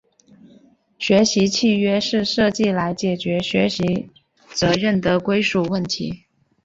学习契约是设计来解决学习责任的归属问题。